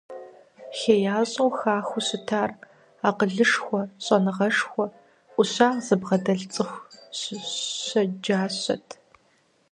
ХеящӀэу хахыу щытар акъылышхуэ, щӀэныгъэшхуэ. Ӏущагъ зыбгъэдэлъ цӀыху щэджащэт.